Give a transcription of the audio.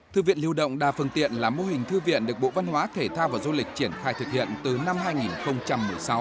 thư viện lưu động đa phương tiện là mô hình thư viện được bộ văn hóa thể thao và du lịch triển khai thực hiện từ năm hai nghìn một mươi sáu